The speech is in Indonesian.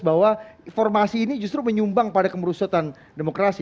bahwa formasi ini justru menyumbang pada kemerusotan demokrasi